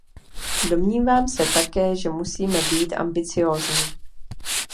Domnívám se také, že musíme být ambiciózní.